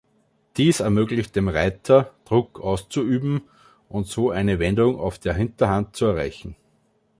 Dies ermöglicht dem Reiter, Druck auszuüben und so eine Wendung auf der Hinterhand zu erreichen.